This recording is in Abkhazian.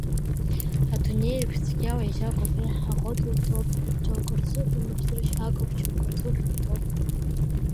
Адунеиажә, цәгьа уеижьагоуп, Еҳ, ҳаӷоу дуҭоуп, Џьоук рзыҳәа уԥсыршьагоуп, Џьоук рзы ухьанҭоуп.